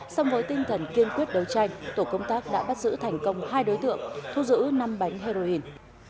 song với tinh thần kiên quyết đấu tranh tổ công tác đã bắt giữ thành công hai đối tượng thu giữ năm bánh heroin